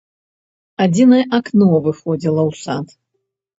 Адзінае акно выходзіла ў сад.